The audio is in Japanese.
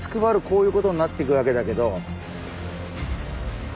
こういうことになっていくわけだけど。